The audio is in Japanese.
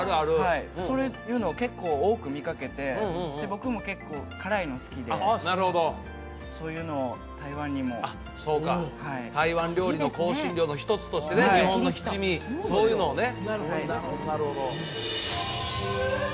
僕も結構辛いの好きでなるほどそういうのを台湾にもあっそうか台湾料理の香辛料の一つとしてね日本の七味そういうのをね